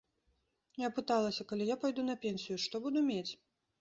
Я пыталася, калі я пайду на пенсію, што буду мець?